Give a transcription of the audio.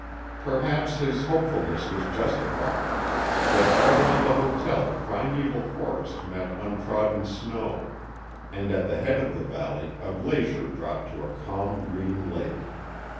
Perhaps his hopefulness was justified, for all round the hotel primeval forest met untrodden snow, and at the head of the valley a glacier dropped to a calm green lake.